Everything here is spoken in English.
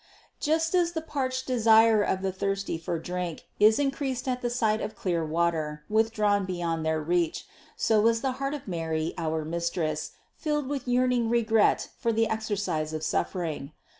Just as the parched desire of the thirsty for drink is increased at the sight of clear water with drawn beyond their reach, so was the heart of Mary our Mistress filled with yearning regret for the exercise of suffering.